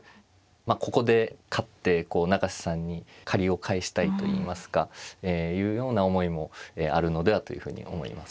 ここで勝って永瀬さんに借りを返したいといいますかえいうような思いもあるのではというふうに思います。